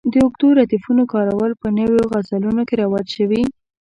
د اوږدو ردیفونو کارول په نویو غزلونو کې رواج شوي.